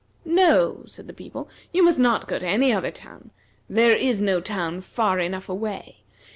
"No," said the people, "you must not go to any other town. There is no town far enough away.